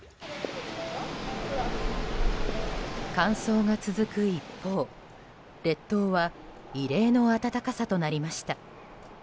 乾燥が続く一方、列島は異例の暖かさとなりました。